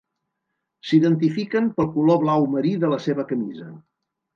S'identifiquen pel color blau marí de la seva camisa.